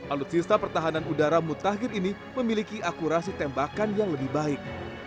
alutsista pertahanan udara mutakhir ini memiliki akurasi tembakan yang lebih baik